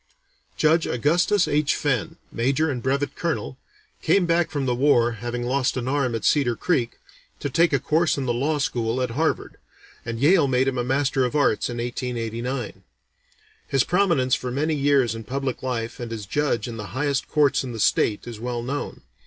Judge Augustus H. Fenn, Major and Brevet Colonel, came back from the war, having lost an arm at Cedar Creek, to take a course in the Law School at Harvard, and Yale made him a Master of Arts in 1889. His prominence for many years in public life and as judge in the highest courts in the state is well known.